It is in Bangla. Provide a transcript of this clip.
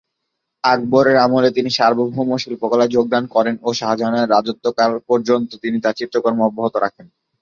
আকবরের আমলে তিনি সার্বভৌম শিল্পকলায় যোগদান করেন ও শাহজাহানের রাজত্বকাল পর্যন্ত তিনি তাঁর চিত্রকর্ম অব্যাহত রাখেন।